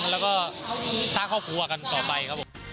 แล้วก็สร้างครอบครัวกันต่อไปครับผม